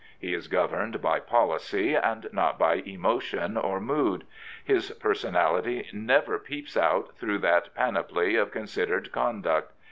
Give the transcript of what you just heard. He is governed by policy, and not by emotion or mood. His person ality never peeps out through that panoply of considered conduct.